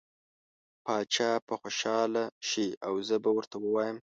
باچا به خوشحاله شي او زه به ورته ووایم.